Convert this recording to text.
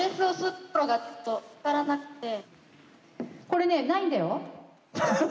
これねないんだよ。